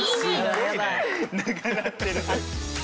長なってる。